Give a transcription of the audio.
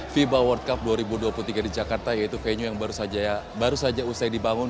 fiba world cup dua ribu dua puluh tiga di jakarta yaitu venue yang baru saja usai dibangun